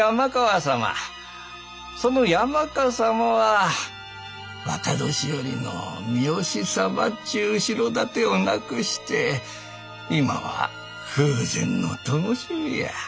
その山川様は若年寄の三好様っちゅう後ろ盾をなくして今は風前のともしびや。